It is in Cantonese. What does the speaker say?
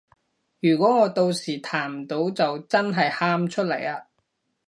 如果我到時彈唔到就真係喊出嚟啊